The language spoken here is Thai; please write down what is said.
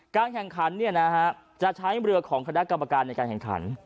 การแข่งขันจะใช้เรือของคณะกรรมการในการแข่งขัน